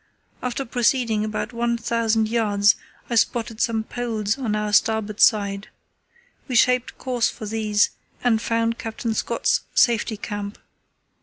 After proceeding about 1000 yds. I spotted some poles on our starboard side. We shaped course for these and found Captain Scott's Safety Camp.